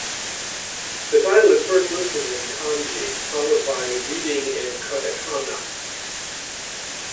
The title is first listed in kanji, followed by reading in katakana.